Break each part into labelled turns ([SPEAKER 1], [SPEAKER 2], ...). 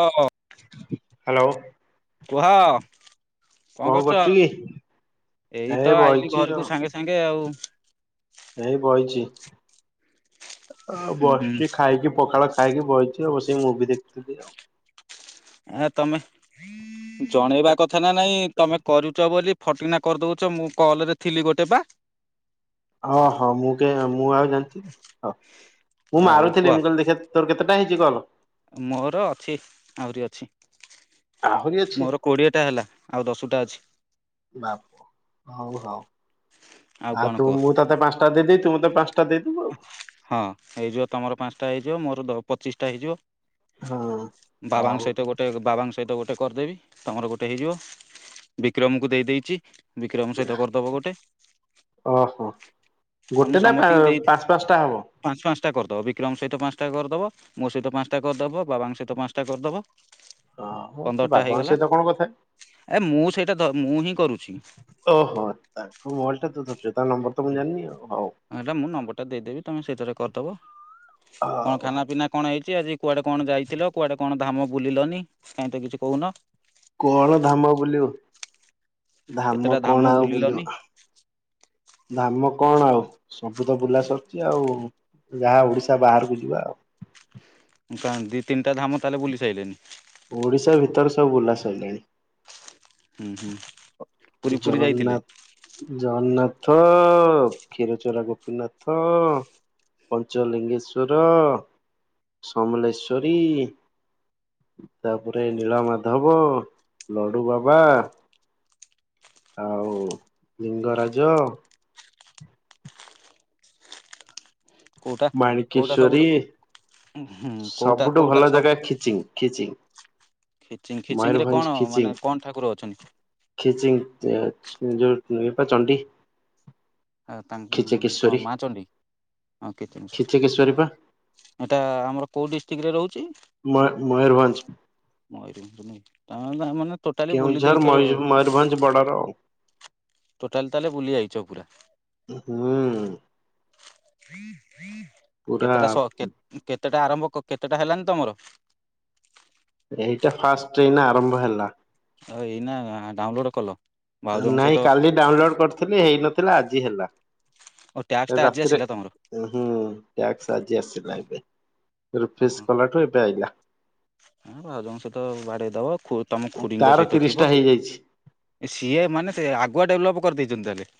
[SPEAKER 1] ହଁ।
[SPEAKER 2] ହ୍ୟାଲୋ
[SPEAKER 1] କୁହ। କଣ କରୁଛ,
[SPEAKER 2] କରୁଛୁ କି?
[SPEAKER 1] ଏଇ ତ ଆଇଲିି
[SPEAKER 2] ବଇଚି
[SPEAKER 1] ଘରକୁ
[SPEAKER 2] ଆଉ
[SPEAKER 1] ସାଙ୍ଗେ ସାଙ୍ଗେ ଆଉ।
[SPEAKER 2] ଏଇ ବଇଚି।
[SPEAKER 1] ହୁଁ ହୁଁ
[SPEAKER 2] ବସିଛି ଖାଇକି ପଖାଳ ଖାଇକି ବଇଛି, ଆ ବସି ମୁଭି ଦେଖିଥିଲି ଆଉ।
[SPEAKER 1] ଆ ତମେ ଜଣେଇବା କଥା ନା ନାଇଁ ତମେ କରୁଛ ବୋଲି ଫଟ ଗିନା କରିଦେଉଛ ମୁଁ କଲ୍ ରେ ଥିଲି ଗୋଟେ ପା
[SPEAKER 2] ହଁ ହଁ ମୁଁ କେ ମୁଁ ଆଉ ଜାଣିଥିଲି ହଉ। ମୁଁ
[SPEAKER 1] ଆଉ କୁହ
[SPEAKER 2] ମାରୁଥିଲି, ମୁଁ କହିଲି ଦେଖେ ତୋର କେତେଟା ହେଇଛି କଲ?
[SPEAKER 1] ମୋର ଅଛି ଆହୁରି ଅଛି।
[SPEAKER 2] ଆହୁରି ଅଛି
[SPEAKER 1] ମୋର କୋଡିଏ ଟା ହେଲା ଆଉ ଦଶଟା ଅଛି।
[SPEAKER 2] ବାପ ହଉ ହଉ, ଆଉ
[SPEAKER 1] କଣ
[SPEAKER 2] ତୁ
[SPEAKER 1] କୁହ
[SPEAKER 2] ମୁଁ ତତେ ପାଞ୍ଚଟା ଦିଦି ତୁ ମ ତ ପାଞ୍ଚଟା ଦେଇଦବୁ ଆଉ
[SPEAKER 1] ହଁ ହେଇଯିବ, ତମର ପାଞ୍ଚଟା ହେଇଯିବ ମୋର ପଚିଶଟା ହେଇଯିବ
[SPEAKER 2] ହଁ। ହଉ
[SPEAKER 1] ବାବାଙ୍କ ସହିତ ଗୋଟେ ବାବାଙ୍କ ସହିତ ଗୋଟେ ଗୋଟେ କରିଦେବି ତମର ଗୋଟେ ହେଇଯିବ, ବିକ୍ରମକୁ ଦେଇ ଦେଇଛି ବିକ୍ରମ ସହିତ କରିଦବ ଗୋଟେ
[SPEAKER 2] ଓହୋ
[SPEAKER 1] ହଁ ମୁଁ
[SPEAKER 2] ଗୋଟେ ନା
[SPEAKER 1] ସମସ୍ତଙ୍କୁ ଦେଇ
[SPEAKER 2] ପାଞ୍ଚ ପାଞ୍ଚଟା ହବ?
[SPEAKER 1] ପାଞ୍ଚ ପାଞ୍ଚଟା କରିଦବ, ବିକ୍ରମ ସହିତ ପାଞ୍ଚଟା କରିଦବ ମୋ ସହିତ ପାଞ୍ଚଟା କରିଦେବ ବାବାଙ୍କ ସହିତ ପାଞ୍ଚଟା କରିଦେବ।
[SPEAKER 2] ଓ ହୋ ତୁ ବାବର ସହିତ କଣ କଥା
[SPEAKER 1] ଏ ମୁଁ ସେଇଟା ମୁଁ ହିଁ କରୁଛି।
[SPEAKER 2] ଓହୋ ତାଙ୍କ ମୋବାଇଲ ଟା ତୁ ଧରିଛୁ ତା ନମ୍ବର ତ ମୁଁ ଜାଣିନି ଆଉ ହଉ।
[SPEAKER 1] ହଁ ଏଇଟା ମୁଁ ନମ୍ବର ଟା ଦେଇଦେବି ତମେ ସେଇଥିରେ କରିଦେବ କଣ
[SPEAKER 2] ହଉ
[SPEAKER 1] ଖାନା ପିନା କଣ ହେଇଛି ଆଜି? କୁଆଡ଼େ କଣ ଯାଇଥିଲ କୁଆଡେ କଣ ଧାମ ବୁଲିଲନି କାହିଁ ତ କିଛି କହୁନ?
[SPEAKER 2] କଣ ଧାମ ବୁଲିବୁ ଧାମ
[SPEAKER 1] କେତେଟା
[SPEAKER 2] କଣ ଆଉ
[SPEAKER 1] ବୁଲିଲନି
[SPEAKER 2] ବୁଳିବୁ ଧାମ କଣ ଆଉ ସବୁ ତ ବୁଲାସ ଅଛି ଆଉ। ଯାହା ଓଡିଶା ବାହାରକୁ ଯିବା ଆଉ।
[SPEAKER 1] କ ଦି ତିନିା ଧାମ ତାହେଲେ ବୁଲି ସାଇିଲନଣି?
[SPEAKER 2] ଓଡିଶା ଭିତରେ ସବୁ ଉଲ୍ଲାସରିଲାଣି।
[SPEAKER 1] ହୁଁ ହୁଁ। ପୁରୀ ପୁରୀ ଯାଇଥିଲେ
[SPEAKER 2] ଜଗନ୍ନାଥ ଜଗନ୍ନାଥ କ୍ଷୀରଚୋରା ଗୋପୀନାଥ ପଞ୍ଚଲିଙ୍ଗେଶ୍ଵର ସମଲେସ୍ୱରୀ ତାପରେ ନୀଳ ମାଧବ ଲଡୁ ବାବା ଆଉ ଲିଙ୍ଗରାଜ
[SPEAKER 1] କୋଉଟା କୋଉଟା ସବୁଠୁ
[SPEAKER 2] ମାଣିକେଶେଶଵରି
[SPEAKER 1] ହୁଁ କୋଉଟା
[SPEAKER 2] ସବୁଠୁ
[SPEAKER 1] କୋଉଟା
[SPEAKER 2] ଭଲ
[SPEAKER 1] ସବୁ
[SPEAKER 2] ଜାଗା ଖିଚିଂ ଖିଚିଂ
[SPEAKER 1] ଖିଚିଙ୍ଗ ଖିଚିଙ୍ଗରେ କଣ
[SPEAKER 2] ମୟୂରଭଞ୍ଜ
[SPEAKER 1] ମାନେ
[SPEAKER 2] ଖିଚିଂ
[SPEAKER 1] କଣ ଠାକୁର ଅଛନ୍ତି
[SPEAKER 2] ଖିଚିଂ ଯୋଉପ ଚଣ୍ଡୀ।
[SPEAKER 1] ଆଉ ତାଙ୍କ
[SPEAKER 2] ଖିଚକେଶ୍ଵରୀ
[SPEAKER 1] କଣ ମା ଚଣ୍ଡୀ ହଁ କେତ
[SPEAKER 2] ଖିଚକେଶ୍ଵରୀ ପା
[SPEAKER 1] ଜିନିଷ ଏଟା ଆମର କୋଉ ଡିଷ୍ଟ୍ରିକ୍ଟ ରେ ରହୁଛି?
[SPEAKER 2] ମୟୂରଭଞ୍ଜ।
[SPEAKER 1] ତା ମାନେ ଟୋଟାଲି
[SPEAKER 2] କେଉଁ
[SPEAKER 1] ବୁଲି
[SPEAKER 2] ଝର
[SPEAKER 1] ଦେଇଛ
[SPEAKER 2] ମୟୂଭଞ୍ଜ ବଢ଼ ର ଆଉ।
[SPEAKER 1] ଟୋଟାଲ ତାହେଲେ ବୁଲି ଯାଇଛ ପୁରା?
[SPEAKER 2] ହଁ।
[SPEAKER 1] କେତେଟା କେତେଟା ଆରମ୍ଭ କେତେଟା ହେଲାନି ତମର?
[SPEAKER 2] ଏଇଟା ଫାଷ୍ଟ ଟ୍ରେନ ଆରମ୍ଭ ହେଲା।
[SPEAKER 1] ହଉ ଏଇ ନା ଡାଉନଲୋଡ କଲ? ଭାଉଜଙ୍କ ସହିତ
[SPEAKER 2] ନାଇଁ କାଲି ଡାଉନଲୋଡ କରିଥିଲି, ହେଇନଥିଲା ଆଜି ହେଲା।
[SPEAKER 1] ଓ ଟ୍ୟାକ୍ସଟା ଆଜି
[SPEAKER 2] ରାତିରେ
[SPEAKER 1] ଆସିଲା ତମର
[SPEAKER 2] ହୁଁ ଟସ ସାଜି ଆସିଲା ଏବେ ରୁଫିସ୍
[SPEAKER 1] ଓହୋ
[SPEAKER 2] କଲାଠୁ ଏବେ ଆଇଗା।
[SPEAKER 1] ହଁ ବାାଉ ଜଙ୍କ ସହିତ ବାଡେଇ ଦବ। ତମ ଖୁରୀଙ୍କ
[SPEAKER 2] ତାର
[SPEAKER 1] ସହିତ
[SPEAKER 2] ତିରିଶ ଟା
[SPEAKER 1] ଥିବ।
[SPEAKER 2] ହେଇଯାଇଛି
[SPEAKER 1] ସିଏ ମାନେ ଆଗୁଆ ଡେଭଲପ୍ କରିଦେଇଛନ୍ତି ତାହେଲେ।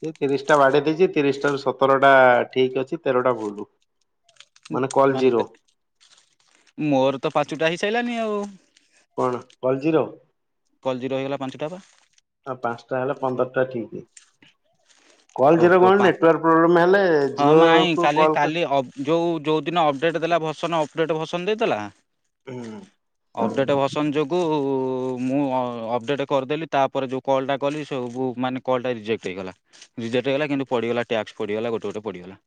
[SPEAKER 2] ସେ ତିରିଶ ଟା ବାଡେଇ ଦେଇଛି ତିରିଶଟା ରୁ ସତରଟା ଠିକ୍ ଅଛି ତେରଟା ଭୁଲୁ।
[SPEAKER 1] ମାନେ ମୋର ତ ପାଞ୍ଚଟା ହେଇସାଇଲାନି ଆଉ।
[SPEAKER 2] କଣ କଲଜିର
[SPEAKER 1] କଲ୍ ଜିରୋ ହେଇଗଲା ପାଞ୍ଚଟା ବା
[SPEAKER 2] ଆଉ ପାଞ୍ଚଟା ହେଲେ ପନ୍ଦର। ଠିକ୍ କଲ ଜିର କଣ ନେଟୱାର୍ ପ୍ରୋବ୍ଲେମ ହେଲେ
[SPEAKER 1] ହଁ
[SPEAKER 2] ଜିଓ
[SPEAKER 1] ମାଇଁ
[SPEAKER 2] କୁ
[SPEAKER 1] କାଲି
[SPEAKER 2] କଲ୍ ହୁଁ
[SPEAKER 1] କାଲି ଅବ-ଯୋଉ ଯୋଉ ଦିନ ଅପଡେଟ ଦେଲା ଭସନ ଅପଡେଟ ଭସନ ଦେଇଥେଲା? ଅପଡେଟ ଭସନ ଯୋଗୁ ମୁଁ ଅ-ଅପଡେଟ କରିଦେଲି ତାପରେ ଯଉ କଲ୍ ଟା କଲି ସେ ଉ-ବୁ-ମାନେ କଲ୍ ଟା ରେଜେକ୍ଟ ହେଇଗଲା। ରିଜେକ୍ଟ ହେଇଗଲା କିନ୍ତୁ ପଡ଼ିଗଲା ଟ୍ୟାକ୍ସ ପଡ଼ିଗଲା ଗୋଟେ ଗୋଟେ ପଡ଼ିଗଲା।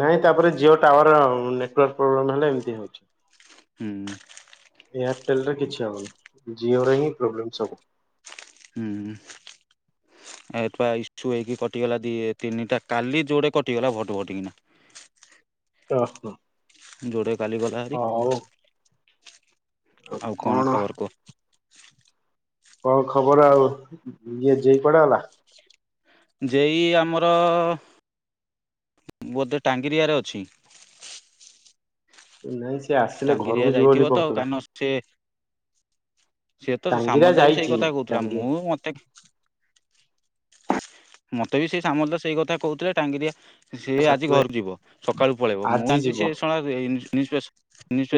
[SPEAKER 2] ନାଇଁ ତାପରେ ଜିଓ ଟାୱାର ନେଟୱାର୍କ ପ୍ରୋବ୍ଲେମ ହେଲେ ଏମିତି ହଉଛି।
[SPEAKER 1] ହୁଁ।
[SPEAKER 2] ଏୟାରଟେଲରେ କିଛି ହେବନି ଜିଓରେ ହିଁ ପ୍ରୋବ୍ଲେମ୍ ସବୁ।
[SPEAKER 1] ହୁଁ। ଏଟ ଇସୁ ହେଇକି କଟିଗଲା ଦି ତିନିଟା କାଲି ଯୋଉଡେ କଟିଗଲା ଭୋଟ ଭୋଟିକିନା।
[SPEAKER 2] ହ
[SPEAKER 1] ଯୋଡେ କାଲି ଗଲା ହେରିି।
[SPEAKER 2] ହଉ
[SPEAKER 1] ଆଉ କଣ ଖବର କୁଅ।
[SPEAKER 2] କଣ ଖବର ଆଉ ଇଏ ଯେଇ କୁଆଡେ ଗଲା?
[SPEAKER 1] ଜେଇ ଆମର। ବୋଧେ ଟାଙ୍ଗିରିଆରେ ଅଛି।
[SPEAKER 2] ନାଇଁ ସେ ଆସିଲେ
[SPEAKER 1] ଟାଙ୍ଗିରିଆ
[SPEAKER 2] ଘରକୁ ଯିବ ବୋଲି
[SPEAKER 1] ଯାଇଥିବ ତ
[SPEAKER 2] କହୁଥିଲା।
[SPEAKER 1] କାରଣ ସେ ସିଏ ତ
[SPEAKER 2] ଟାଙ୍ଗିରା
[SPEAKER 1] ସାମଲଦା ବି ସେଇ
[SPEAKER 2] ଯାଇଛି
[SPEAKER 1] କଥା କହୁଥିଲା
[SPEAKER 2] ଟାଙ୍ଗି
[SPEAKER 1] ମୁଁ ମତେ ମତେ ବି ସେ ସାମଲ ଦା ସେଇ କଥା କହୁଥିଲେ ଟାଙ୍ଗିରିଆ ସେ ଆଜି
[SPEAKER 2] ସାର୍ଟିଫିକେଟ
[SPEAKER 1] ଘରକୁ ଯିବ ସକାଳୁ ପଳେଇବ ମୁଁ
[SPEAKER 2] ଆଜି
[SPEAKER 1] ଜାଣିଛି
[SPEAKER 2] ଯିବ।
[SPEAKER 1] ସେ ଶଳା ଇନିସ୍- ଇନିସପେସ୍।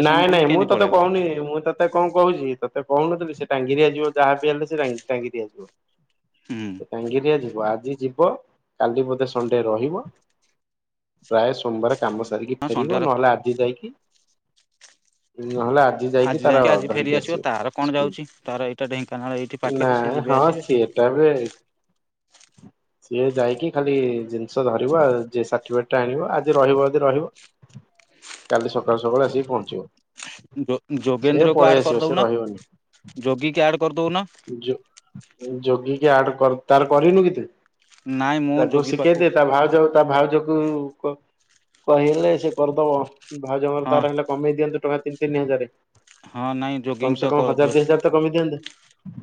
[SPEAKER 2] ନାଇଁ ନାଇଁ ମୁଁ ତୋତେ କହୁନି ମୁଁ ତତେ କଣ କହୁଛି ତତେ। କହୁନଥିଲି ସେ ଟାଙ୍ଗିରିଆ ଯିବ ଯାହା ବିି ହେଲେ ସେ ଟାଙ୍ଗିରିଆଯିବ
[SPEAKER 1] ହୁଁ
[SPEAKER 2] ସେ ଟାଙ୍ଗିରିଆ ଯିବ। ଆ ଆଜି ଯିବ କାଲି ବୋଧେ ସଣ୍ଡେ ରହିବ ପ୍ରାୟ ସୋମବାର କାମ ସାରିକି
[SPEAKER 1] ହଁ
[SPEAKER 2] ଫେରିବ
[SPEAKER 1] ସଣ୍ଡାର
[SPEAKER 2] ନହେଲେ ଆଜି ଯାଇକି ନହେଲେ ଆଜି ଯାଇକି ତାର
[SPEAKER 1] ଆଜି ଫେରି
[SPEAKER 2] ଧରିକି ଆସିବ
[SPEAKER 1] ତାର କଣ ଯାଉଛି ତାର ଏଇଟା ଢେଙ୍କାନାଳ ଏଇଠି
[SPEAKER 2] ସ୍କୁଲ।
[SPEAKER 1] ପାଖରେ ସେ
[SPEAKER 2] ନାଁ
[SPEAKER 1] ଯିବେ
[SPEAKER 2] ହଁ।
[SPEAKER 1] ଆସିବେ
[SPEAKER 2] ଛି ଏଟା ବେ। ସିଏ ଯାଇକି ଖାଲି ଜିନିଷ ଧରିବ ଆ ଯେ- ସାର୍ଟିଫିକେଟ୍ ଟା ଆଣିବ ଆଜି ରହିବ ଯଦି ରହିବ। କାଲି ସକାଳୁ ସକାଳୁ ଆସିକି ପହଞ୍ଚିବ। ସେ
[SPEAKER 1] ଯୋଗ-ଯୋଗେନ୍ଦ୍ର କୁ
[SPEAKER 2] ପଳେଇ
[SPEAKER 1] ଆଡ
[SPEAKER 2] ଆସିବ ସେ
[SPEAKER 1] କରିଦଉନା।
[SPEAKER 2] ରହିବନି
[SPEAKER 1] ଯୋଗି କେ ଆଡ କରଦଉ ନ।
[SPEAKER 2] ଯୋଗୀ। କିଏ ଆଡ କର ତାର କରିନୁ କି ତୁ?
[SPEAKER 1] ନାଇଁ ମୁଁ
[SPEAKER 2] ତାକୁ
[SPEAKER 1] ଯୋଗୀ ପାଖକୁ
[SPEAKER 2] ଶିଖେଇଦେ ତା ଭାଉଜ ତା ଭାଉଜକୁ କ-କହିଲେ ସେ କରିଦବ ଭାଉଜଙ୍କ ର
[SPEAKER 1] ହଁ
[SPEAKER 2] ତାର ହେଲେ କମେଇ ଦିଅନ୍ତୁ ଟଙ୍କା ତିନି ତିନି ହଜାର।
[SPEAKER 1] ହଁ ନାଇଁ ଯୋଗୀ
[SPEAKER 2] କମ୍ ସେ
[SPEAKER 1] ତ
[SPEAKER 2] କମ୍ ହଜାର ଦି ହଜାର ତ କମୀ ଦିଅନ୍ତୁ।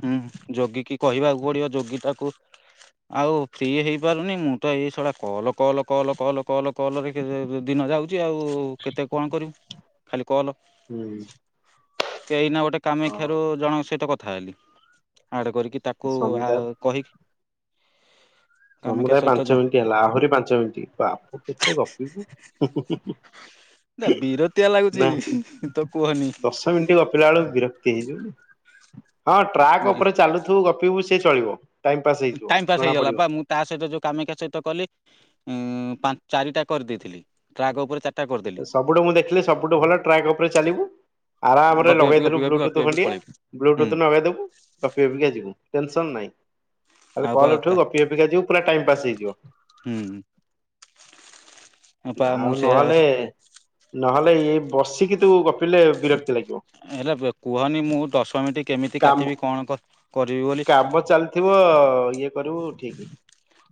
[SPEAKER 1] ହୁଁ ଯୋଗୀ କି କହିବାକୁ ପଡିବ। ଯୋଗୀ ତାକୁ ଆଉ ଫ୍ରି ହେଇପାରୁନି ମୁଁ ତ ଏଇ ସଡ଼ା call call call call call କଲରେ କେ-ଦିନ ଯାଉଛି ଆଉ କେତେ କଣ କରିବୁ। କଲ କେଇନା ଗୋଟେ କାମାକ୍ଷାରୁ
[SPEAKER 2] ହୁଁ
[SPEAKER 1] ଜଣଙ୍କ ସହିତ କଥା ହେଲି। ଆଡ କରିକି ତାକୁ ଆ
[SPEAKER 2] ସମୁଦାୟ
[SPEAKER 1] କହିକି କାମାକ୍ଷା
[SPEAKER 2] ସମୁଦାୟ
[SPEAKER 1] ସହିତ ଜ
[SPEAKER 2] ପାଞ୍ଚ ମିନିଟ ହେଲା ଆହୁରି ପାଞ୍ଚ ମିନିଟ୍ ବାପ କେତେ ଗପିବୁ।
[SPEAKER 1] ବିରକ୍ତିଆ ଲାଗୁଛି
[SPEAKER 2] ନା
[SPEAKER 1] ତ କୁହନି
[SPEAKER 2] ଦଶ ମିନିଟ୍ ଗପିଲା ବେଳୁ ବିରକ୍ତି। ଇ ଯୋଉ ହଁ ଟ୍ରାକ୍ ଉପରେ ଚାଲୁଥିବୁ ଗପିବୁ ସେ ଚଳିବ। ଟାଇମ୍ ପାସ୍ ହେଇଯିବ
[SPEAKER 1] ଟାଇମ୍ ପାସ୍ ହେଇଗଲା ବା
[SPEAKER 2] ଜଣାପଡ଼ିବନି।
[SPEAKER 1] ମୁଁ ତା ସହିତ ଯୋଉ କାମଖା ସହିତ କଲି ଉଁ ଚାରିଟା କରିଦେଇଥିଲି, ଟ୍ରଗ ଉପରେ ଚ
[SPEAKER 2] ସବୁଠୁ ମୁଁ ଦେଖିଲି ସବୁଠୁ ଭଲ ଟ୍ରାକ୍ ଉପରେ ଚାଲିବୁ ଆରାମ ରେ
[SPEAKER 1] ଗପି ଗପି
[SPEAKER 2] ଲଗେଇଦେଲୁ
[SPEAKER 1] ଗପି ଗପି ଗପି
[SPEAKER 2] ବ୍ଲୁଟୁଥ
[SPEAKER 1] ଗପି
[SPEAKER 2] ଖଣ୍ଡି
[SPEAKER 1] ପଳେଇବି ହୁଁ
[SPEAKER 2] ବ୍ଲୁଟୁଥ ଲଗେଇଦବୁ ପି ଯ
[SPEAKER 1] ଆଉ ପା
[SPEAKER 2] କଲ ଉଠ
[SPEAKER 1] ହୁଁ
[SPEAKER 2] ଗପିପିକା ଯିବ ପ ଟାଇ ପାସ୍ ହେଇଯିବ।
[SPEAKER 1] ପା
[SPEAKER 2] ଆଉ
[SPEAKER 1] ମୁଁ ସେୟା
[SPEAKER 2] ନହଲେ ନହେଲେ ଏଇ ବସିକି ତୁ ଗପିଲେ ବିରକ୍ତି ଲାଗିବ।
[SPEAKER 1] ହେଲେ କୁହନି ମୁଁ ଦଶମିନଟ କେମିତି
[SPEAKER 2] କାମ
[SPEAKER 1] କାଟିବି କଣ କରିବି ବୋଲି
[SPEAKER 2] ଥିବ ଇଏ କରିବୁ ଠିକ।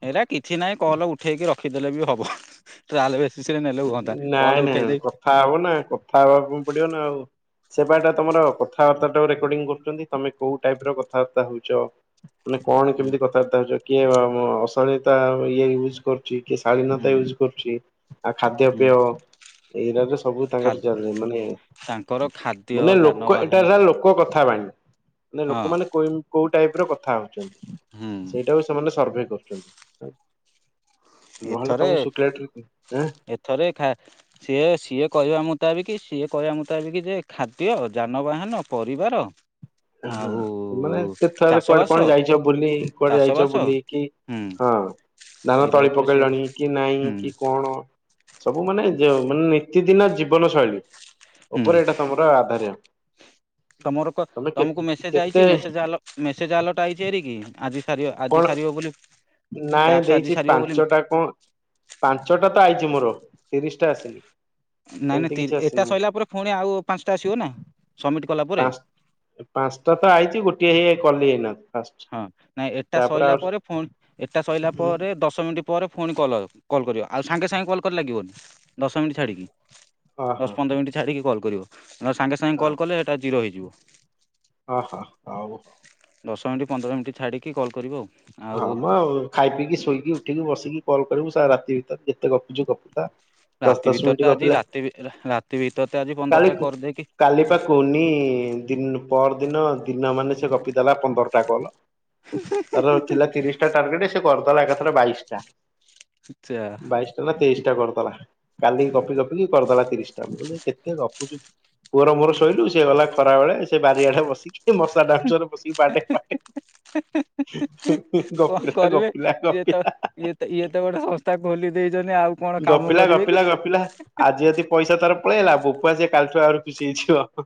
[SPEAKER 1] ଏଇଟା କିଛି ନାହିଁ କଲ ଉଠେଇକି ରଖିଦେଲେ ବି ହବ, ତାହେଲେ
[SPEAKER 2] ନାଇଁ ନାଇଁ କଥା ହବ ନା କଥା ହବା ପାଇଁ ପଡିବ ନା ଆଉ। ସେବାଟା ତମର କଥାବାର୍ତ୍ତା ଟାକୁ ରେକର୍ଡିଂ କରୁଛନ୍ତି, ତମେ କୋଉ ଟାଇପ ର କଥାବାର୍ତ୍ତା ହଉଛ। ମାନେ କଣ
[SPEAKER 1] ହୁଁ
[SPEAKER 2] କେମିତି କଥାବାର୍ତ୍ତା ହେଉଛ, କିଏ ଅଶାଳୀତା ଇଏ ୟୁଜ୍ କରୁ କିଏ କିଏ ଶାଳୀନତା
[SPEAKER 1] ହୁଁ
[SPEAKER 2] ୟୁଜ କରୁଛି। ଆଉ ଖାଦ୍ୟ
[SPEAKER 1] ହୁଁ
[SPEAKER 2] ପେୟ ଏଇରାରେ ସବୁ
[SPEAKER 1] ଖା
[SPEAKER 2] ତାଙ୍କର ଚାଲି ମାନେ
[SPEAKER 1] ତାଙ୍କର ଖାଦ୍ୟ
[SPEAKER 2] ମାନେ ଲୋକ ଏଟା
[SPEAKER 1] ଯାନବାହାନ
[SPEAKER 2] କାର ଲୋକ କଥା ଥାବାଣୀ ମାନ
[SPEAKER 1] ହଁ
[SPEAKER 2] ଲୋକମାନେ କୋଉ ଟାଇପ ର କଥା ହଉଛନ୍ତି।
[SPEAKER 1] ହୁଁ
[SPEAKER 2] ସେଇଟା ବି ସେମାନେ ସର୍ଭେ କରୁଛନ୍ତି। ନହଲେ ତମ
[SPEAKER 1] ଏଥରେ
[SPEAKER 2] କୁ ଶୁଖିଲାଟା ରେ କା
[SPEAKER 1] ଏଥରେ ଖା ସିଏ ସିଏ କହିବା ମୁତାବିକ ସିଏ କହିବା ମୁତାବିକ ଯେ ଖାଦ୍ୟ, ଯାନବାହାନ, ପରିବାର
[SPEAKER 2] ହଁ
[SPEAKER 1] ଆଉ
[SPEAKER 2] ମାନେ କେତେ ଥର କୁଆଡେ
[SPEAKER 1] ଚାଷବାସ
[SPEAKER 2] କଣ ଯାଇଛ, ବୁଲି କୁଆଡେ ଯାଇଛ
[SPEAKER 1] ଚାଷବାସ
[SPEAKER 2] ବୁଲି କି
[SPEAKER 1] ହୁଁ
[SPEAKER 2] ହଁ ଧାନ
[SPEAKER 1] ଏଇଟା
[SPEAKER 2] ତଳି
[SPEAKER 1] ଉପରେ ସିଏ
[SPEAKER 2] ପକେଇଲଣି କି ନାଇଁ
[SPEAKER 1] ହୁଁ
[SPEAKER 2] କି କଣ ସବୁ ମାନେ ମାନେ ନିତିଦିିନ ଜୀବନ ଶୈଳୀ
[SPEAKER 1] ହୁଁ
[SPEAKER 2] ଉପରେ ଏଇଟା ତମର ଆଧାର।
[SPEAKER 1] ତମର କ
[SPEAKER 2] ତମେ କେ
[SPEAKER 1] ତମକୁ ମେସେଜ
[SPEAKER 2] କେତେ
[SPEAKER 1] ଆଇଛି, ମେସେଜ ମେସେଜ ଆଲର୍ଟ ଆଇଛି ଏରିକି ଆଜି ସାରିବ
[SPEAKER 2] କଣ
[SPEAKER 1] ଆଜି ସାରିବ ବୋଲି
[SPEAKER 2] ନାଇଁ
[SPEAKER 1] ଟ୍ୟାକ୍ସ ଆଜି
[SPEAKER 2] ଦେଇଛି
[SPEAKER 1] ସାରିବ ବୋଲି
[SPEAKER 2] ପାଞ୍ଚଟା କଣ ପାଞ୍ଚଟା ତ ଆଇଛି ମୋର ତିରିଶ ଟା ଆସିନି।
[SPEAKER 1] ନାଇଁ
[SPEAKER 2] ସେମିତି
[SPEAKER 1] ନାଇଁ
[SPEAKER 2] କିଛି
[SPEAKER 1] ଏଟା
[SPEAKER 2] ଆସିନି
[SPEAKER 1] ସଇଲା ପରେ ପୁଣି ଆଉ ପାଞ୍ଚଟା ଆସିବ ନା ସବମିଟ
[SPEAKER 2] ପାଞ୍ଚ ପାଞ୍ଚଟା ତ ଆଇଛି ଗୋଟିଏ ହେଇ କଲି ଏଇନା। ଫାଷ୍ଟ
[SPEAKER 1] ହଁ ନାଇଁ ଏଟା
[SPEAKER 2] ତାପରେ
[SPEAKER 1] ସରିଲା
[SPEAKER 2] ଆଉ
[SPEAKER 1] ପରେ ପୁଣି, ଏଟା ସରିଲା ପରେ ଦଶ ମିନିଟ୍ ପରେ ପୁଣି କଲ୍ କଲ୍ କରିବ ଆଉ ସାଙ୍ଗେ ସାଙ୍ଗେ କଲ୍ଲେ ଲାଗିବନି ଦଶ ମିନିଟ୍ ଛାଡ଼ିକି
[SPEAKER 2] ଓହୋ
[SPEAKER 1] ଦଶ ପନ୍ଦର ମିନିଟ୍ ଛାଡିକି କଲ୍ କରିବ ସାଙ୍ଗେ ସାଙ୍ଗେ କଲ୍ କଲେ ସେଟା ଜିରୋ ହେଇଯିବ
[SPEAKER 2] ଓହୋ ହଉ
[SPEAKER 1] ଦଶ ମିନିଟ୍ ପନ୍ଦର ମିନି୍ ଛାଡ଼ିକି କଲ୍ କରିବ ଆଉ।
[SPEAKER 2] ହଁ
[SPEAKER 1] ଆଉ
[SPEAKER 2] ମୁଁ ଖାଇ ପିଇକି ଶୋଇକି ଉଠିକି ବସିକି କଲ୍ କରିବୁ ସାର୍ ରାତି ଭିତରେ ଯେତେ ଗପିଛୁ ଗପି ଥା ଦଶ
[SPEAKER 1] ରାତି
[SPEAKER 2] ଦଶ
[SPEAKER 1] ଭିତରେ ତ
[SPEAKER 2] ମିନିଟ
[SPEAKER 1] ଆଜି
[SPEAKER 2] ଗପିଲେ
[SPEAKER 1] ରାତି ରାତି ଭିତରେ ତ ଆଜି
[SPEAKER 2] କାଲି
[SPEAKER 1] ପନ୍ଦରଟା କରିଦେଇକି
[SPEAKER 2] କାଲି ପାଆ କୁନି ଦ ପରଦିନ ଦିନ ମାନେ ସେ ଗପିଦଲା ପନ୍ଦରଟା କଲ। ତାର ଥିଲା
[SPEAKER 1] [unintelligible]
[SPEAKER 2] ତିରିଶ ଟା ଟାର୍ଗେଟ ସେ କରିଦେଲା ଏକାଥରେ ବାଇଶଟା
[SPEAKER 1] ଯା
[SPEAKER 2] ବାଇଶଟା ନା ତେଇଶ ପଚିଶ ଟା କରିଦଲା କାଲି ଗପି ଗପିି କରିଦେଲା ତିରିଶ ଟା ବ କେତେ ଗପୁଛୁ ପୁଅର ମୋର ଶୋଇଲୁ ସେ ଗଲା ଖରା ବେଳେ ସେ ବାରିଆଡେ ବସିକି ମଶା ଡାଉଁଶ ରେ ବସିକି ବାଡେଇ ବାଡେଇ
[SPEAKER 1] କଣ
[SPEAKER 2] ଗପିଲା,
[SPEAKER 1] କରିବେ
[SPEAKER 2] ଗପିଲା,
[SPEAKER 1] ଇଏ ତ
[SPEAKER 2] ଗପିଲା
[SPEAKER 1] ଇଏ ତ ଇଏ ତ ଗୋଟେ ସଂସ୍ଥା ଖୋଲି ଦେଇଛନ୍ତି ଆଉ କଣ କାମ
[SPEAKER 2] ଗପିଲା
[SPEAKER 1] କରିବେ କି
[SPEAKER 2] ଗପିଲା ଗପିଲା ଆଜି ଯଦି ପଇସା ତାର ପଳେଇ ଆସିଲା ଲଭ କୁ ସେ କାଲିଠୁ ଆ ଖୁଛି ହେଇଯିବ।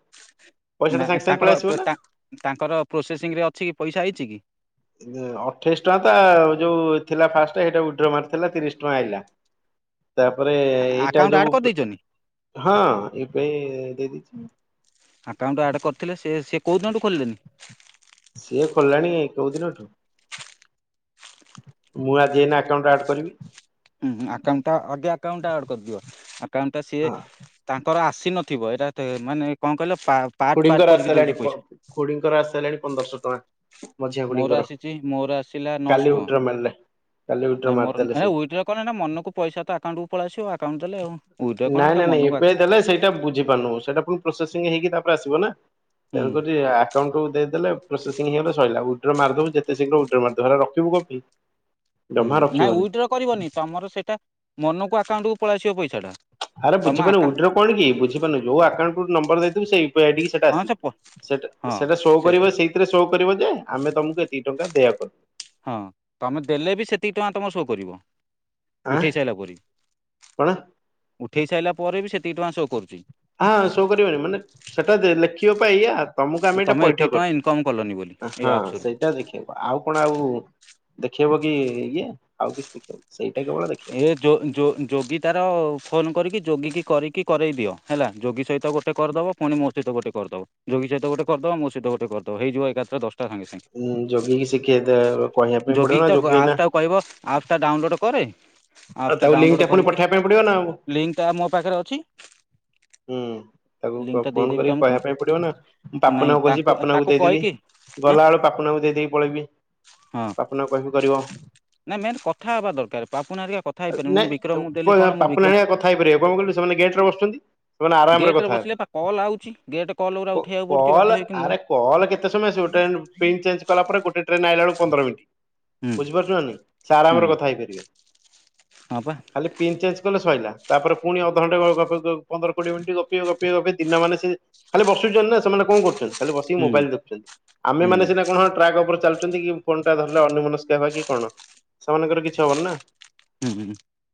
[SPEAKER 2] ପଇସାଟା
[SPEAKER 1] ନା
[SPEAKER 2] ସାଙ୍ଗେ ସାଙ୍ଗେ ପଳେଇ
[SPEAKER 1] ତାଙ୍କର
[SPEAKER 2] ଆସିବ ନା।
[SPEAKER 1] ତାଙ୍କର ପ୍ରୋସେସିଂ ରେ ଅଛି କି ପଇସା ଆଇଛି କି?
[SPEAKER 2] ଅଠେଇଶି ଟଙ୍କା ତ ଯୋଉ ଥିଲା ଫାଷ୍ଟ ସେଇଟା ଉଡ୍ର ମାରିଥିଲା ତିରିଶ ଟଙ୍କା ଆଇଲା। ତାପରେ ଏଇଟା
[SPEAKER 1] ଆକାଉଣ୍ଟ ଆଡ୍
[SPEAKER 2] ଯୋଉ
[SPEAKER 1] କରିଦେଇଛନ୍ତି
[SPEAKER 2] ହଁ ଏବେ ଦେଇଦେଇଛି।
[SPEAKER 1] ଆକାଉଣ୍ଟ ଆଡ଼୍ କରିଥିଲେ, ସେ ସେ କଉଁ ଦିନଠୁ ଖୋଲିଲେନି?
[SPEAKER 2] ସିଏ ଖୋଲୀଳାଣି କୋଉ ଦିନଠୁ। ମୁଁ ଆଜି ଏଇନା ଆକାଉଣ୍ଟ ଆଡ୍ କରିବି।
[SPEAKER 1] ହୁଁ ଆକାଉଣ୍ଟ ଟା ଆଗେ ଆକାଉଣ୍ଟ ଟା ଆଡ୍ କରିଦିଅ। ଆକାଉଣ୍ଟ ଟା ସିଏ
[SPEAKER 2] ହଁ।
[SPEAKER 1] ତାଙ୍କର ଆସ ସି ନଥିବ ଏଟା ତେ ମାନେ କଣ କହିଲ ପାର୍ଟ ପାର୍ଟ
[SPEAKER 2] ଖୁଡିଙ୍କର ଆସି
[SPEAKER 1] କରିକି
[SPEAKER 2] ସାଇଲାଣି
[SPEAKER 1] ଦଉଛି ପଇସା
[SPEAKER 2] ପ-ଖୁଡିଙ୍କର ଆସି ସାଇଲାଣି ପନ୍ଦରଶହ ଟଙ୍କା। ମଝିଆ
[SPEAKER 1] ମୋର
[SPEAKER 2] ଖୁଡିଙ୍କର।
[SPEAKER 1] ଆସିଚି, ମୋର ଆସିଲା ନଅଶ
[SPEAKER 2] କାଲି ଉଇଡ୍ର ମାରିଲେ କାଲି ଉଇଡ୍ର
[SPEAKER 1] ଟଙ୍କା। ନାଇଁ ମୋର
[SPEAKER 2] ମାରିଦେଲେ
[SPEAKER 1] ହେ
[SPEAKER 2] ସିଏ।
[SPEAKER 1] ଉଇଡ୍ରୋ କନେ ନା ମନକୁ ପଇସା ତ ଆକାଉଣ୍ଟକୁ ପଳେଇ ଆସିବ, ଆକାଉଣ୍ଟ ଦେଲେ ଆଉ। ୱିଡ୍ର କଣ
[SPEAKER 2] ନାଇଁ
[SPEAKER 1] ଏଟା
[SPEAKER 2] ନାଇଁ ନାଇଁ
[SPEAKER 1] ମନକୁ ଆ
[SPEAKER 2] ଏବେ ଦେଲେ ସେଇଟା ବୁଝିପାରୁନୁ ସେଇଟା ପ୍ରୋସେସିଂ ହେଇକି ତାପରେ ଆସିବ ନା।
[SPEAKER 1] ହୁଁ
[SPEAKER 2] ତେଣୁ କରି ଆ ଆକାଉଣ୍ଟୁ ଦେଇଦେଲେ ପ୍ରୋସେସିଂ ହେଇଗଲେ ସଇଲା। ଉଇଡ୍ରୋ ମାରିଦବୁ ଯେତେ ଶୀଘ୍ର ଉଇଡ୍ରୋ ମାରିଦେ ହେରା ରଖିବୁ କଣ ପାଇଁ।
[SPEAKER 1] ହୁଁ
[SPEAKER 2] ଜମା
[SPEAKER 1] ନାଇଁ
[SPEAKER 2] ରଖିବନି।
[SPEAKER 1] ଉଇଡ୍ରୋ କରିବନି ତୋମର ସେଟା ମନକୁ ଆକାଉଣ୍ଟ କୁ ପଳେଇସିବ ପଇସ
[SPEAKER 2] ଆରେ ବୁଝିପାରୁନୁ ଉଇଡ୍ରୋ କଣ କି ବୁଝିପାରୁନୁ ଯୋଉ ଆକଉଣ୍ଟ କୁ ନମ୍ବର୍ ଦେଇଥିବୁ ସେଇ ତ ଏଡିକି ସେଟା
[SPEAKER 1] ହଁ ସେ ପ
[SPEAKER 2] ଆସିବ ସେଟା
[SPEAKER 1] ହଁ
[SPEAKER 2] ସେଟା ସୋ
[SPEAKER 1] ସେ
[SPEAKER 2] କରିବ। ସେଇଥିରେ ସୋ କରିବ ଯେ ଆମେ ତୋମକୁ ଏତିିକି ଟଙ୍କା ଦେୟ କଲୁ।
[SPEAKER 1] ହଁ ତୋମେ ଦେଲେ ବି ସେତିକି ଟଙ୍କା ତୋମ ସୋ କରିବ।
[SPEAKER 2] ଆଁ
[SPEAKER 1] ଉଠେଇ ସାଇଲା ପରେ
[SPEAKER 2] କଣ
[SPEAKER 1] ଉଠେଇ ସାଇଲା ପରେ ବି ସେତିକି ଟଙ୍କା ସୋ କରୁଚି।
[SPEAKER 2] ହଁ ସୋ କରିବନି ମାନେ ସେଟା ଦେ ଲେଖିବ ପା ଏଇଆ। ତୋମକୁ ଆମେ ଏଇଟା
[SPEAKER 1] ତମେ
[SPEAKER 2] ପଇଠ
[SPEAKER 1] ଏତିକି ଟଙ୍କା
[SPEAKER 2] କରିଚୁ।
[SPEAKER 1] ଇନକମ୍ କଲନି ବୋଲି
[SPEAKER 2] ଏ
[SPEAKER 1] ଏଇ
[SPEAKER 2] ହଁ
[SPEAKER 1] ଆପ୍ସରୁ।
[SPEAKER 2] ସେଇଟା ଦେଖିବାକୁ। ଆଉ କଣ ଆଉ ଦେଖେଇବ କି ଇଏ ଆଉ କିଛି ଦେଖେଇବ ସି
[SPEAKER 1] ଏ ଯୋ ଯୋ ଯୋଗୀ ତାର ଫୋନ୍ କରିକି ଯୋଗୀ କି କରିକି କରେଇ ଦିଅ ହେଲା। ଯୋଗୀ ସହିତ ଗୋଟେ କରିଦବ। ପୁଣି ମୋ ସହିତ ଗୋଟେ କରିଦବ। ଯୋଗୀ ସହିତ ଗୋଟେ କରିଦ ତ ମୋ ସହିତ ଗୋଟେ କରିଦବ ହେଇଯିବ ଏକାଥରେ ଦଶ ତା ସାଙ୍ଗେ ସାଙ୍ଗେ
[SPEAKER 2] ଉଁ ଯୋଗିକି ଶିଖେଇ ଦେ କହିବା ପାଇଁ ପଡିବ
[SPEAKER 1] ଯୋଗୀ କି
[SPEAKER 2] ନା
[SPEAKER 1] ତ
[SPEAKER 2] ଯୋଗି ଏଇନା
[SPEAKER 1] ଗ-ଆପସ୍ ଟାକୁ କହିବ ଆପସ୍ ଟା ଡାଉନଲୋଡ୍ କରେ।
[SPEAKER 2] ଆ,
[SPEAKER 1] ଆପ୍ସଟା
[SPEAKER 2] ତାକୁ ଲିଙ୍କ୍ ଟା
[SPEAKER 1] ଡାଉନଲୋଡ଼୍
[SPEAKER 2] ପୁଣି
[SPEAKER 1] କରିକି
[SPEAKER 2] ପଠେଇବା ପାଇଁ ପଡିବ ନା ଆଉ
[SPEAKER 1] ଲିଙ୍କଟା ମୋ ପାଖରେ ଅଛି
[SPEAKER 2] ହୁଁ,। ତାକୁ କ
[SPEAKER 1] ଲିଙ୍କଟା
[SPEAKER 2] ଫୋନ୍
[SPEAKER 1] ଦେଇଦେବି
[SPEAKER 2] କରିକି
[SPEAKER 1] ତମକୁ
[SPEAKER 2] କହିବା ପାଇଁ ପଡିବ ନା। ମୁଁ
[SPEAKER 1] ନାଇଁ
[SPEAKER 2] ପାପନାଙ୍କୁ କହିଛି,
[SPEAKER 1] ତାଙ୍କୁ
[SPEAKER 2] ପାପନାଙ୍କୁ
[SPEAKER 1] ତାକୁ
[SPEAKER 2] ଦେଇଦେବି।
[SPEAKER 1] କହିକି ଆଁ
[SPEAKER 2] ଗଲା ବେଳେ ପାପୁନାକୁ ଦେଇ ଦେଇକି ପଳେଇବି।
[SPEAKER 1] ହଁ
[SPEAKER 2] ପାପୁନାକୁ କହିବି କରିବ
[SPEAKER 1] ନା ମେନ୍ କଥା ହବା ଦରକାର। ପା
[SPEAKER 2] ଏ ନାଇଁ ଏ କଣା
[SPEAKER 1] ମୁଁ
[SPEAKER 2] ପାପୁନା
[SPEAKER 1] ବିକ୍ରମ
[SPEAKER 2] ହେକା କଥା ହେଇପାରିବେ। କଣ କହିଲୁ ସେମାନେ ଗେଟ୍ ର ବସୁଛନ୍ତି। ସେମାନେ ଆରାମରେ
[SPEAKER 1] ଗେଟରେ
[SPEAKER 2] କଥା
[SPEAKER 1] ବସିଲେ
[SPEAKER 2] ହେବେ
[SPEAKER 1] ପା କଲ୍ ଆଉଛି ଗେଟ୍ କଲ୍ ଗୁରା
[SPEAKER 2] କ
[SPEAKER 1] ଉଠେଇବାକୁ ପଡ଼ୁଛି ବାଧ୍ୟ
[SPEAKER 2] କଲ୍
[SPEAKER 1] ହେଇକି ମୁଁ
[SPEAKER 2] ଆରେ କଲ୍ କେତେ ସମୟ ଆସିବ ଟାଇମ୍ କୁ ପେ କି ଚେଞ୍ଜ କଲା ପରେ ଗୋଟେ ଟ୍ରେନ୍ ଆଇଲା ବେଳୁ ପନ୍ଦର ମିନିଟ୍
[SPEAKER 1] ହୁଁ
[SPEAKER 2] ବୁଝିପାରୁଚ ନା ନାଇଁ ସେ
[SPEAKER 1] ହୁଁ
[SPEAKER 2] ଆରାମରେ କଥା ହେଇପାରିବେ।
[SPEAKER 1] ହଁ ପା
[SPEAKER 2] ଖାଲି ପିନ୍ ଚେଞ୍ଜ କଲେ ଶୋଇଲା। ତାପରେ ପୁଣି ଅଧଘଣ୍ଟା ଗ- [unintelligible] ପନ୍ଦର କୋଡ଼ିଏ ମିନିଟ୍ ଗପିବ ଗପିବ ଗପେଇ ଦିନ ମାନ ସେ ଖାଲି ବସିଚନି ନା ସେମାନେ କଣ କରୁଚନ୍ତି। ଖାଲି ବସି
[SPEAKER 1] ହୁଁ
[SPEAKER 2] ମୋବାଇଲ୍ ଦେଖୁଛନ୍ତି। ଆମେ
[SPEAKER 1] ହୁଁ
[SPEAKER 2] ମାନେ ସିନା କଣ ହଁ ଟ୍ରାକ୍ ଉପରେ ଚାଲୁଚନ୍ତି କି ଫୋନ୍ ଟା ଧରିଲେ ଅନ୍ୟ ମନସ୍କ ହେବା କି କଣ। ସେମାନଙ୍କର କିଛି ହବନି ନା।
[SPEAKER 1] ହୁଁ, ହୁଁ,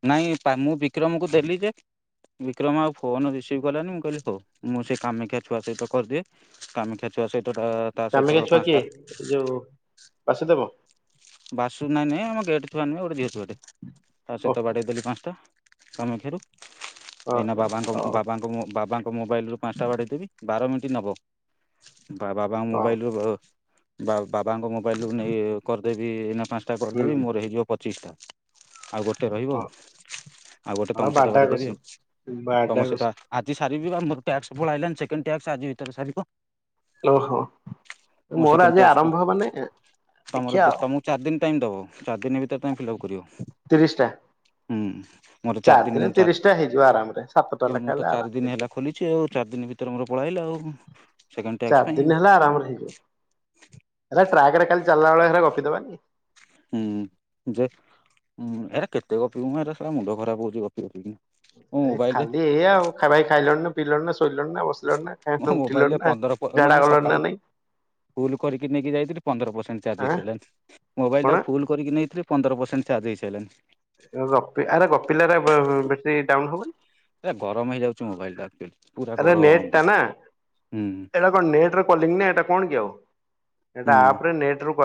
[SPEAKER 1] ନାଇଁ ତା ମୁଁ ବିକ୍ରମ କୁ ଦେଲି ଯେ। ବିକ୍ରମ ଆଉ ଫୋନ୍ ରିସିଭ କଲାନି। ମୁଁ କହିଲି ହଉ ମୁଁ ସେ କାମିକା ଛୁଆ ସହିତ କରିଦିଏ କାମିକା ଛୁଆ ସହି ତ ତା ତା
[SPEAKER 2] କାମିକା
[SPEAKER 1] ସହିତ
[SPEAKER 2] ଛୁଆ କିଏ
[SPEAKER 1] ପାନ୍ସଟା
[SPEAKER 2] ଏ ଯୋଉ ବାସୁଦେବ
[SPEAKER 1] ବାସୁ ନାଇଁ ନାଇଁ ଆମ ଗେଟ୍ ଛୁଆ ନୁହେଁ ଗୋଟେ ବିହା ଛୁଆ ଟେ ତା ସହିତ
[SPEAKER 2] ଓହୋ
[SPEAKER 1] ବାଡେଇ ଦେଲି ପାନ୍ସଟା। ସମିଖେରୁ ଏଇନା
[SPEAKER 2] ଓହୋ
[SPEAKER 1] ବାବାଙ୍କ ଉଁ
[SPEAKER 2] ହଉ
[SPEAKER 1] ବାବାଙ୍କ ମୋ ବାବାଙ୍କ ତ ମୋବାଇଲ୍ ରୁ ପାନ୍ସଟା ବାଡେଇ ଦେବି। ବାର ମିନିଟ୍ ନବ। ବା ବାବାଙ୍କ
[SPEAKER 2] ହଉ
[SPEAKER 1] ମୋବାଇଲ୍ ରୁ ଓ ବା ବାବାଙ୍କ ମୋବାଇଲ୍ ରୁ ନେଇ କରିଦେବି। ଏଇନା ପାନ୍ସଟା କରିଦେବି
[SPEAKER 2] ହୁଁ
[SPEAKER 1] ମୋର ହେଇଯିବ ପଚିଶ ଟା। ଆଉ ଗୋଟେ ରହିବ। ଆଉ ଗୋଟେ
[SPEAKER 2] ହଁ
[SPEAKER 1] ତୋମ ସହିତ
[SPEAKER 2] ବାଡା
[SPEAKER 1] ବାଡେଇ ଦେବି
[SPEAKER 2] କସି
[SPEAKER 1] ଆଉ।
[SPEAKER 2] ବାଡା
[SPEAKER 1] ତୋମ
[SPEAKER 2] କସି
[SPEAKER 1] ସହିତ ଆ, ଆଜି ସାରିବି ବା ମୋର ଟ୍ୟାକ୍ସ ପ୍ରବଳ ଆଇଲାଣି ସେକେଣ୍ଡ ଟ୍ୟାକ୍ସ ଆଜି ଭିତରେ ସାରିବ।
[SPEAKER 2] ଓହୋ-
[SPEAKER 1] ମୋ
[SPEAKER 2] ମୋର
[SPEAKER 1] ସେକେଣ୍ଡ
[SPEAKER 2] ଆଜି
[SPEAKER 1] ଟ୍ୟାକ୍ସ
[SPEAKER 2] ଆରମ୍ଭ ମାନେ ଦେଖିଆ।
[SPEAKER 1] ଚାରିଦିନ ଟାଇମ୍ ଦବ। ଚାରିଦିନ ଭିତରେ ତୋମେ ଫିଲ୍ଅପ୍ କରିବ।
[SPEAKER 2] ତିରିଶ ଟା।
[SPEAKER 1] ହୁଁ। ମୋର ଚାରି ଦିନ
[SPEAKER 2] ଦିନେ
[SPEAKER 1] ମୁଁ
[SPEAKER 2] ତିରିଶ
[SPEAKER 1] ଚାଥି
[SPEAKER 2] ଟା ହେଇଯିବ ଆରାମରେ ସାତଟା
[SPEAKER 1] କି
[SPEAKER 2] ଲେଖା
[SPEAKER 1] ମୁଁ ତ
[SPEAKER 2] ହେଲେ ଆରାମ
[SPEAKER 1] ଚାରି ଦିନ
[SPEAKER 2] ହେଇଯିବ।
[SPEAKER 1] ହେଲା ଖୋଲିଛି ଆଉ। ଚାରି ଦିନ ଭିତରେ ମୋର ପଳା ଆଇଲା ଆଉ। ସେକେଣ୍ଡ ଟ୍ୟାକ୍ସ
[SPEAKER 2] ଚାରି
[SPEAKER 1] ପାଇଁ ଆଉ
[SPEAKER 2] ଦିନ ହେଲା ଆରାମରେ ହେଇଯିବ। ଏଟା ଟ୍ରାକ୍ ରେ କାଲି ଚାଲଲା ବେଳେ ହେରା ଗପି ଦବାନି।
[SPEAKER 1] ହୁଁ ଯେ ଏରା କେତେ କପି ମୁ ଏ ମୁଣ୍ଡ ଖରାପ ହଉଛି କପି କରିକିନା
[SPEAKER 2] ଏ ଖାଲି ଏଇ ଆଉ ଭାଇ ଖାଇଲଣିନ ପିଇିଲଣି ନା ଶୋଇଲଣିନ ଅବ
[SPEAKER 1] ମୋ ମୋବାଇଲରେ ପନ୍ଦର ମାନେ
[SPEAKER 2] ଗଲଣି ନା
[SPEAKER 1] ସକାଳୁ
[SPEAKER 2] ନାଇଁ
[SPEAKER 1] ଫୁଲ କରିକି ନେଇକି ଯାଇଥିଲି, ପନ୍ଦର ପରସେଣ୍ଟ ଚାର୍ଜ
[SPEAKER 2] ଆଁ
[SPEAKER 1] ହେଇସାରିଲଣି ମୋବାଇଲ
[SPEAKER 2] କଣ
[SPEAKER 1] ଟା ଫୁଲ କରିକି ନେଇଥିଲି ପନ୍ଦର ପରସେଣ୍ଟ ଚାର୍ଜ ହେଇସାରିଲଣି
[SPEAKER 2] ଆରେ ରପିଲାର ବଟେରୀ ଡାଉନ ହବନି?
[SPEAKER 1] ଗରମ ହେଇଯାଉଛି, ମୋବାଇଲ ଟାଚୁ ପୁର
[SPEAKER 2] ଆରେ ନେଟ୍ ଟା
[SPEAKER 1] ଗରମ
[SPEAKER 2] ନା
[SPEAKER 1] ହୁଁ
[SPEAKER 2] ଏଇଟା କଣ ନେଟ କ ନା ଏଟା କଣ କି ଆଉ
[SPEAKER 1] ହୁଁ
[SPEAKER 2] ଏଟା ଆପରେ ନଟ